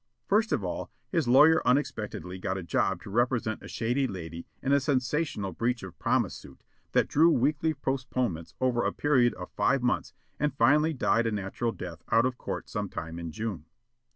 First of all, his lawyer unexpectedly got a job to represent a shady lady in a sensational breach of promise suit that drew weekly postponements over a period of five months and finally died a natural death out of court sometime in June.